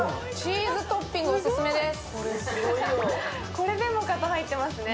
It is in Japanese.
これでもかと入ってますね。